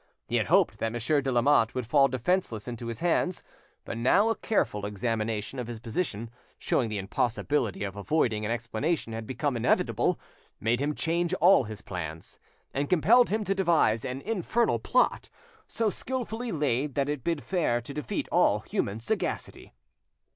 He had hoped that Monsieur de Lamotte would fall defenceless into his hands; but now a careful examination of his position, showing the impossibility of avoiding an explanation had become inevitable, made him change all his plans, and compelled him to devise an infernal plot, so skilfully laid that it bid fair to defeat all human sagacity.